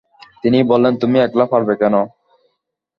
তিনি বললেন, তুমি একলা পারবে কেন?